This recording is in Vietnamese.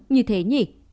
như thế nhỉ